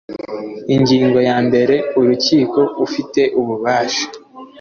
ingingo ya mbere urukiko ufite ububasha